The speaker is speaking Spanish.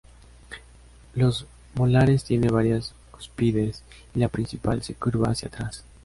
Los molares tiene varias cúspides y la principal se curva hacia atrás.